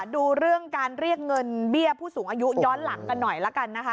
ดูเรื่องการเรียกเงินเบี้ยผู้สูงอายุย้อนหลังกันหน่อยละกันนะคะ